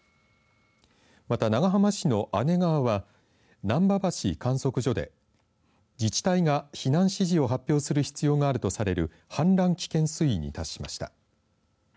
また長浜市の姉川は難波橋観測所で自治体が避難指示を発表する必要があるとされる氾濫危険水位に達しました。